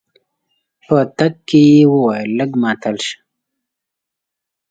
په تګ کې يې وويل لږ ماتل شه.